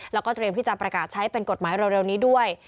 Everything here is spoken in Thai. แล้วก็เตรียมที่จะประกาศใช้เป็นกฎหมายเร็วนี้ด้วย